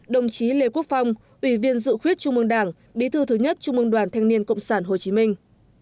ba mươi bảy đồng chí lê quốc phong ủy viên dự khuyết trung mương đảng bí thư thứ nhất trung mương đoàn thanh niên cộng sản hồ chí minh